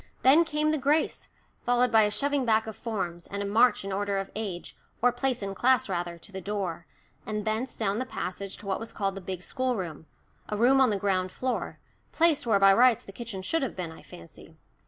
Then came the grace, followed by a shoving back of forms, and a march in order of age, or place in class rather, to the door, and thence down the passage to what was called the big schoolroom a room on the ground floor, placed where by rights the kitchen should have been, I fancy.